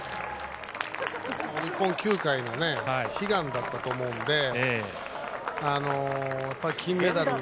日本球界の悲願だったと思うので、金メダル。